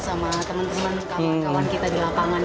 sama teman teman kawan kawan kita di lapangan